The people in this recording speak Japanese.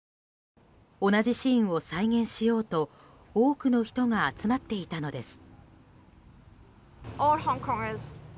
同じシーンを再現しようと多くの人が集まっていたのです。